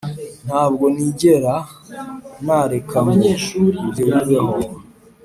ntabwo nigera nareka ngo ibyo bibeho.